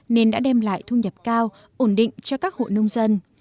nên đã đem lại thu nhập cao ổn định cho các hộ nông dân